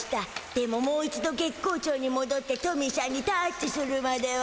でももう一度月光町にもどってトミーしゃんにタッチするまでは。